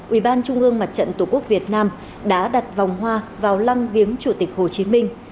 ubnd tổ quốc việt nam đã đặt vòng hoa vào lăng viếng chủ tịch hồ chí minh